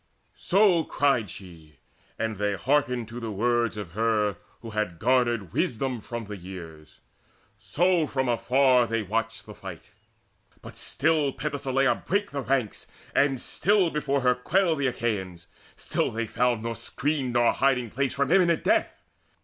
So cried she, and they hearkened to the words Of her who had garnered wisdom from the years; So from afar they watched the fight. But still Penthesileia brake the ranks, and still Before her quailed the Achaeans: still they found Nor screen nor hiding place from imminent death.